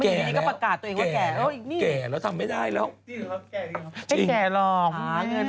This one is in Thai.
แก่แล้วแก่แล้วทำไมได้แล้วจริงหรือครับแก่ดีหรือครับไม่แก่หรอก